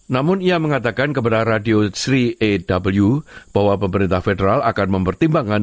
namun ia mengatakan kepada radio tiga ww bahwa pemerintah federal akan mempertimbangkan